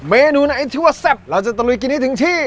เมนูไหนที่ว่าแซ่บเราจะตะลุยกินให้ถึงที่